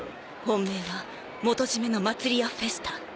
本命は元締の祭り屋フェスタ。